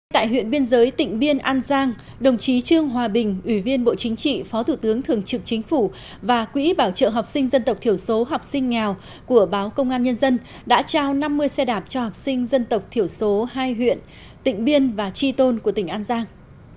tại huyện biên giới tỉnh biên an giang đồng chí trương hòa bình ủy viên bộ chính trị phó thủ tướng thường trực chính phủ và quỹ bảo trợ học sinh dân tộc thiểu số học sinh nghèo của báo công an nhân dân đã trao năm mươi xe đạp cho học sinh dân tộc thiểu số hai huyện tịnh biên và tri tôn của tỉnh an giang